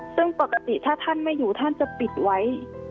ซึ่งปกติถ้าท่านไม่อยู่ท่านจะปิดไว้